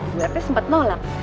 bu rt sempet nolak